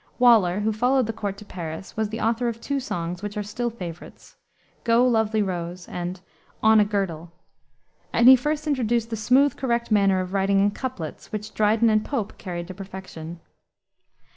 Waller, who followed the court to Paris, was the author of two songs, which are still favorites, Go, Lovely Rose, and On a Girdle, and he first introduced the smooth correct manner of writing in couplets, which Dryden and Pope carried to perfection.